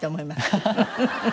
ハハハハ。